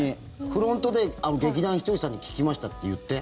フロントで、劇団ひとりさんに聞きましたって言って。